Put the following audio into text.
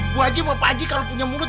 bu aji sama pak aji kalau punya mulut